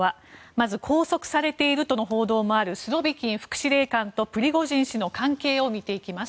まず拘束されているとの報道もあるスロビキン副司令官とプリゴジン氏の関係を見ていきます。